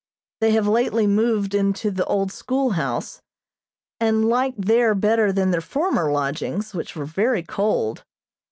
They have lately moved into the old schoolhouse, and like there better than their former lodgings, which were very cold.